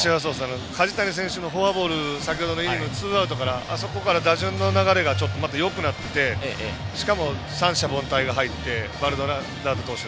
梶谷選手のフォアボール先ほどのイニングツーアウトからあそこから打順の流れがよくなってしかも三者凡退が入ってバルドナード投手。